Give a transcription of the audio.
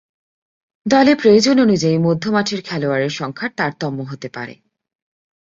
দলে প্রয়োজন অনুযায়ী মধ্যমাঠের খেলোয়াড়ের সংখ্যার তারতম্য হতে পারে।